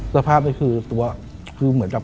สภาพเจ้าเป้คือเหมือนับ